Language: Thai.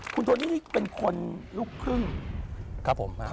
คุณโทนี่เป็นคนลูกครึ่งครับผมครับ